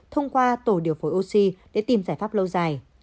thông qua tổ điều phối oxy để tìm giải pháp lâu dài